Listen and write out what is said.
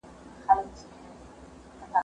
غووي غيڼ وکړې، سوکان څټ وخوړل.